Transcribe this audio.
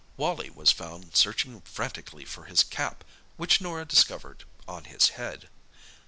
Wally was found searching frantically for his cap, which Norah discovered—on his head.